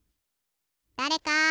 だれか！